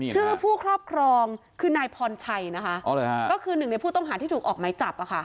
ชื่อผู้ครอบครองคือนายพรชัยนะคะอ๋อเลยฮะก็คือหนึ่งในผู้ต้องหาที่ถูกออกไม้จับอะค่ะ